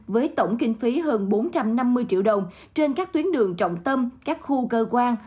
với tổng kinh phí hơn bốn trăm năm mươi triệu đồng trên các tuyến đường trọng tâm các khu cơ quan